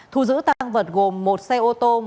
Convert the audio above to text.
thu giữ tăng vật gồm một xe ô tô